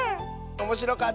おもしろかった？